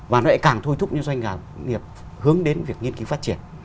và nó lại càng thuê thúc những doanh nghiệp hướng đến việc nghiên cứu phát triển